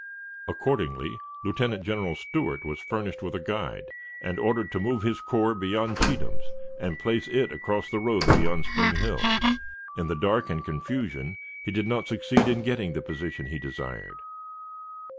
Accordingly, Lieutenant General Stewart was furnished with a guide, and ordered to move his corps beyond Cheatham's, and place it across the road beyond Spring Hill. In the dark and confusion, he did not succeed in getting the position desired.